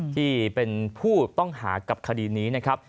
ที่เป็นผู้ต้องหากับคดีนี้นะครับ